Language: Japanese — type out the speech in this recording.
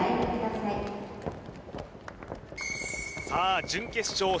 さあ準決勝